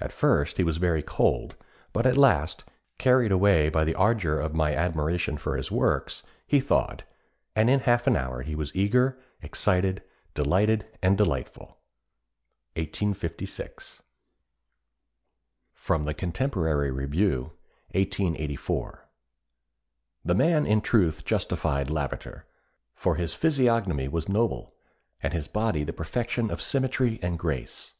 At first he was very cold, but at last, carried away by the ardour of my admiration for his works, he thawed, and in half an hour he was eager, excited, delighted and delightful." 1856. [Sidenote: The Contemporary Review, 1884.] "The man in truth justified Lavater, for his physiognomy was noble, and his body the perfection of symmetry and grace.